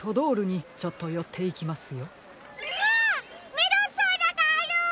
メロンソーダがある！